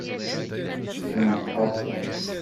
Ǧǧemt Ḥasan.